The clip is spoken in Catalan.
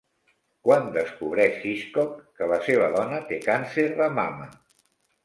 Quan descobreix Hitchcock que la seva dona té càncer de mama?